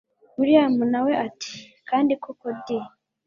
william nawe ati kandi koko di